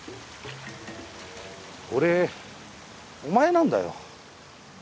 俺お前なんだよ。